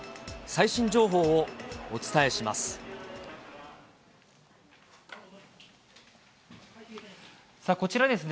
最新情報をお伝えします。